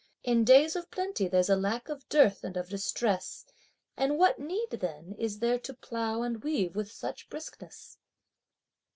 In days of plenty there's a lack of dearth and of distress, And what need then is there to plough and weave with such briskness?